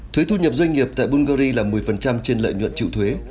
thuế thu nhập doanh nghiệp tại bulgari là một mươi trên lợi nhuận chịu thuế